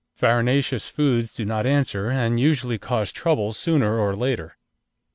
Farinaceous foods do not answer, and usually cause trouble sooner or later.